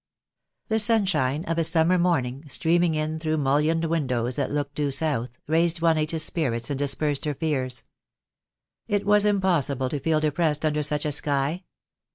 The sunshine of a summer morning, streaming in through mullioned windows that looked due south, raised Juanita's spirits, and dispersed her fears. It was impos sible to feel depressed under such a sky.